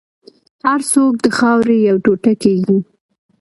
هر څوک د خاورې یو ټوټه کېږي.